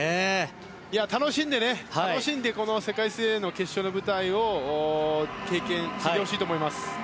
楽しんでこの世界水泳の決勝の舞台を経験を積んでほしいと思います。